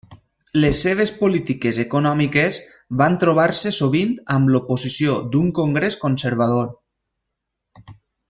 Les seves polítiques econòmiques van trobar-se sovint amb l'oposició d'un Congrés conservador.